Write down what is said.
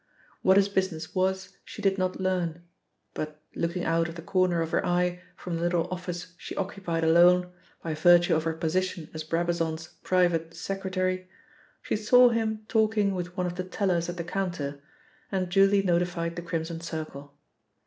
What his business was she did not learn, but, looking out of the corner of her eye from the little office she occupied alone, by virtue of her position as Brabazon's private secretary, she saw him talking with one of the tellers at the counter, and duly notified the Crimson Circle.